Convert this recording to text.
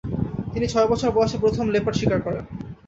তিনি ছয় বছর বয়সে প্রথম লেপার্ড শিকার করেন।